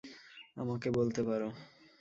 আমাকে বলতে পার।